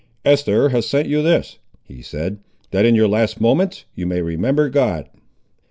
"Eest'er has sent you this," he said, "that, in your last moments, you may remember God."